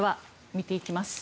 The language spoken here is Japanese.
見ていきます。